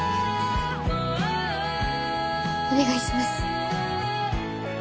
お願いします